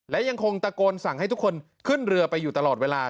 และยังคงตะโกนสั่งให้ทุกคนขึ้นเรือไปอยู่ตลอดเวลา